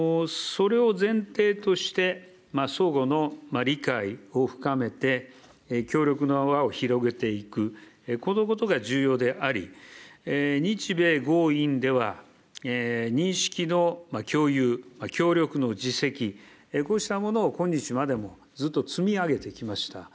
それを前提として、相互の理解を深めて、協力の輪を広げていく、このことが重要であり、日米豪印では、認識の共有、協力の実績、こうしたものを今日までもずっと積み上げてきました。